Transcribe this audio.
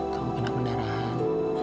kamu kena penerahan